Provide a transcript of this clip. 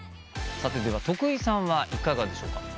徳井さんはいかがでしょうか？